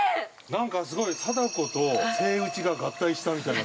◆なんかすごい貞子とセイウチが合体したみたいな。